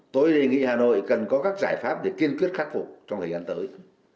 tôi đề nghị hà nội cần có các giải pháp để kiên quyết khắc phục trong thời gian tới